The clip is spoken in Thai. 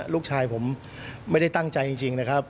ลูกชายผมไม่ได้ตั้งใจจริงนะครับ